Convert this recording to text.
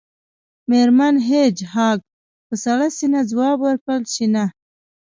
میرمن هیج هاګ په سړه سینه ځواب ورکړ چې نه